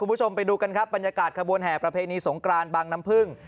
คุณผู้ชมไปดูกันครับบรรยากาศขบวนแห่ประเพณีสงกรานบางน้ำพึ่ง